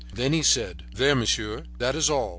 Then he said: "There, monsieur, that is all.